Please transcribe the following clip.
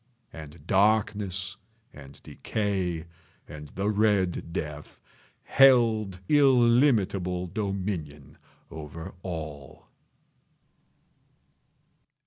And Darkness and Decay and the Red Death held illimitable dominion over all.